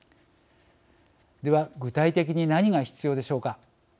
では、具体的に何が必要でしょうか。